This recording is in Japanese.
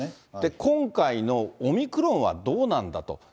今回のオミクロンはどうなんだと。